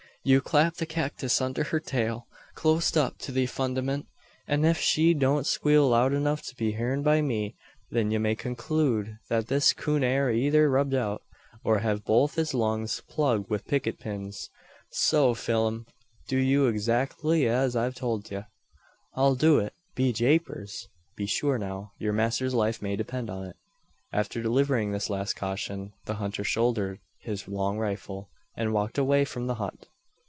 You clap the cacktis under her tail, cloast up to the fundament; and ef she don't squeal loud enuf to be heern by me, then ye may konklude that this coon air eyther rubbed out, or hev both his lugs plugged wi picket pins. So, Pheelum; do you adzactly as I've tolt ye." "I'll do it, be Japers!" "Be sure now. Yur master's life may depend upon it." After delivering this last caution, the hunter shouldered his long rifle, and walked away from the hut.